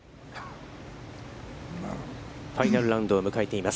ファイナルラウンドを迎えています